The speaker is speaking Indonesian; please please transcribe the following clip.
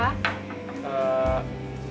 mas mau pesen apa